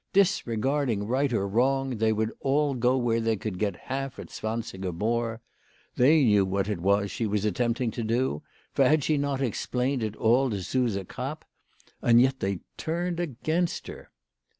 Disregarding right or wrong, they would all go where they could get half a zwansiger more ! They knew what it was she was attempting to do ; for had she not explained it all to Suse Krapp ? And yet they turned against her.